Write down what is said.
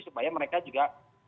supaya mereka juga